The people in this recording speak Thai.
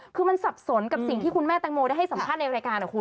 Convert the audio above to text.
คือมันสับสนกับสิ่งที่คุณแม่แตงโมได้ให้สัมภาษณ์ในรายการคุณ